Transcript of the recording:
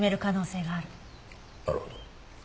なるほど。